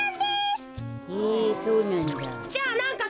へえそうなんだ。